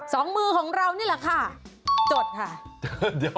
สองมือของเรานี่แหละค่ะจดค่ะ